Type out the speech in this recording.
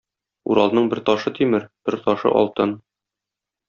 Уралның бер ташы тимер, бер ташы алтын.